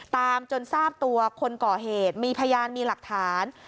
จนทราบตัวคนก่อเหตุมีพยานมีหลักฐาน